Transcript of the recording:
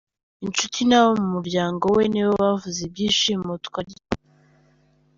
Inshuti n’abo mu muryango we ni bo bavuze iby’ishimutwa rye.